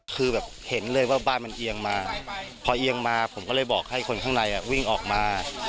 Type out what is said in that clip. คือแบบเห็นเลยว่าบ้านมันเอียงมาพอเอียงมาผมก็เลยบอกให้คนข้างในวิ่งออกมา